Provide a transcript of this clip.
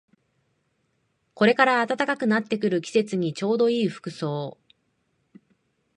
これから暖かくなってくる季節にちょうどいい服装